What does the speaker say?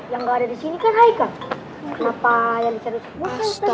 yang gak ada di sini kan haikal kenapa yang dicari ustaz musa ustazah